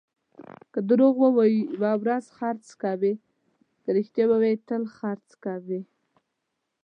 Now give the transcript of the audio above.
که دروغ ووایې، یو ځل خرڅ کوې؛ که رښتیا، تل خرڅ کوې.